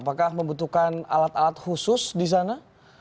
apakah membutuhkan alat alat khusus di sana